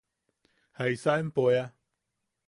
¿Jaisa empo ea?